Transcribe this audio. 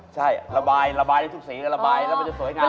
ใช่ระบายระบายได้ทุกสีก็ระบายแล้วมันจะสวยงาม